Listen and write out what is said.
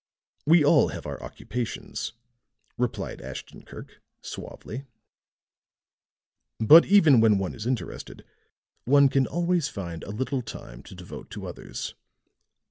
"We all have our occupations," replied Ashton Kirk, suavely, "but even when one is interested, one can always find a little time to devote to others."